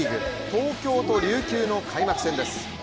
東京と琉球の開幕戦です。